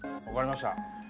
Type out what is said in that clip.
分かりました。